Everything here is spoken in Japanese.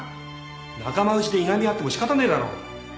仲間内でいがみ合っても仕方ねえだろ。